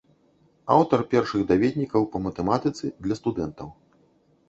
Аўтар першых даведнікаў па матэматыцы для студэнтаў.